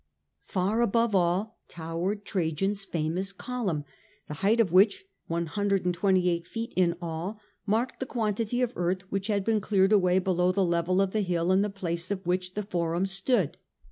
Far above all towered Trajan's famous column, the height of which, 128 feet in all, marked the quantity of earth which had been cleared away below the and tri level of the hill in the place of which the forum column, stood.